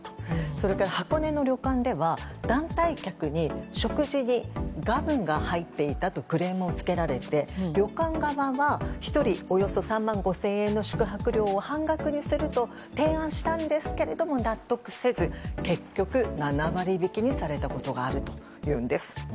それから箱根の旅館では団体客に食事にガムが入っていたとクレームをつけられて旅館側は、１人およそ３万５０００円の宿泊料を半額にすると提案したんですけれども納得せず、結局７割引きにされたことがあるというんです。